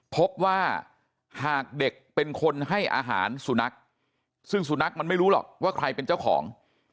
พบว่าหากเด็กเป็นคนให้อาหารสุนัขซึ่งสุนัขมันไม่รู้หรอกว่าใครเป็นเจ้าของ